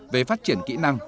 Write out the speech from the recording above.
về phát triển kỹ năng